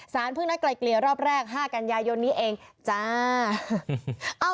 สารพึ่งนักกลายเกลียรอบแรก๕กันยายนนี้เองจ้า